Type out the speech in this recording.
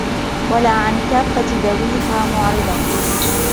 وَلَا عَنْ كَافَّةِ ذَوِيهَا مُعْرِضَةً